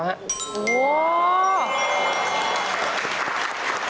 โอ้โห